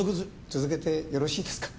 続けてよろしいですか？